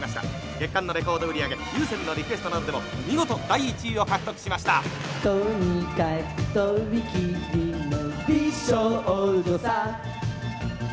月間のレコード売り上げ有線のリクエストなどでも見事第１位を獲得しました。ですよね。